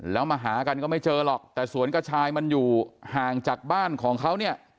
แล้วมาหากันก็ไม่เจอหรอกแต่สวนกระชายมันอยู่ห่างจากบ้านของเขาเนี่ย